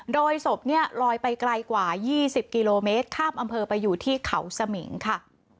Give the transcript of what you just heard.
โดยศพเนี่ยลอยไปไกลกว่า๒๐กิโลเมตรข้ามอำเภอไปอยู่ที่เขาสมิงค่ะ